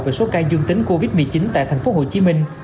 về số ca dương tính covid một mươi chín tại tp hcm